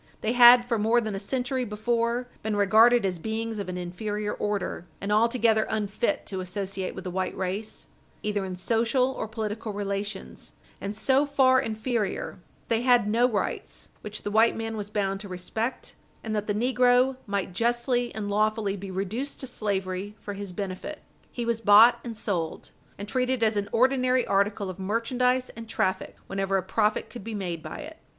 They had for more than a century before been regarded as beings of an inferior order, and altogether unfit to associate with the white race either in social or political relations, and so far inferior that they had no rights which the white man was bound to respect, and that the negro might justly and lawfully be reduced to slavery for his benefit. He was bought and sold, and treated as an ordinary article of merchandise and traffic whenever a profit could be made by it.